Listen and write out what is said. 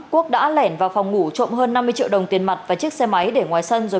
quốc đã lẻn vào phòng ngủ trộm hơn năm mươi triệu đồng tiền mặt và chiếc xe máy để ngoài sân rồi